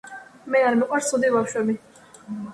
მე არ მიყვარს ცუდი ბავშვები